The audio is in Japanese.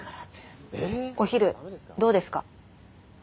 お昼どうですか？